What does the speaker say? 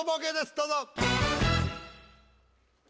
どうぞ。